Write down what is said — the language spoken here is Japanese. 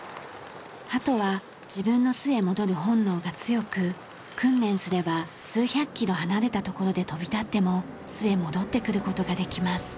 鳩は自分の巣へ戻る本能が強く訓練すれば数百キロ離れた所で飛び立っても巣へ戻ってくる事ができます。